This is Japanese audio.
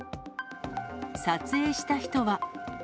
撮影した人は。